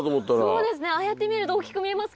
そうですねああやって見ると大きく見えますけど。